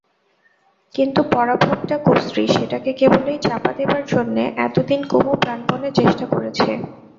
কিন্তু পরাভবটা কুশ্রী, সেটাকে কেবলই চাপা দেবার জন্যে এতদিন কুমু প্রাণপণে চেষ্টা করেছে।